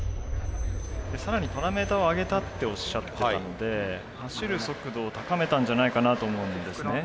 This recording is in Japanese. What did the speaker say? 更にパラメーターを上げたっておっしゃってたので走る速度を高めたんじゃないかなと思うんですね。